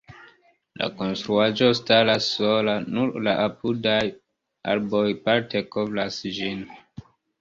La konstruaĵo staras sola, nur la apudaj arboj parte kovras ĝin.